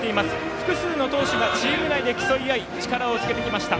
複数の投手がチーム内で競い合い力をつけてきました。